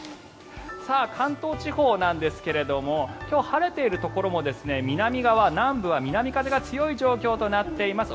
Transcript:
関東地方なんですが今日、晴れているところも南側、南部は南風が強い状況となっています。